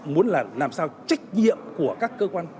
muốn là làm sao trách nhiệm của các cơ quan